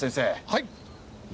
はい。